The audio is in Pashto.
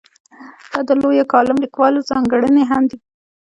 دا د لویو کالم لیکوالو ځانګړنې هم دي.